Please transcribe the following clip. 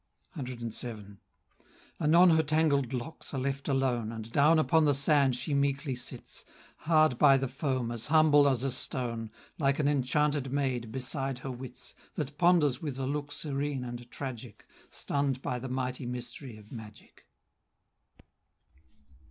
CVII. Anon her tangled locks are left alone, And down upon the sand she meekly sits, Hard by the foam, as humble as a stone, Like an enchanted maid beside her wits, That ponders with a look serene and tragic, Stunn'd by the mighty mystery of magic.